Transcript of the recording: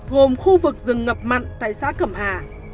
gồm khu vực rừng ngập mặn tại xã cẩm hà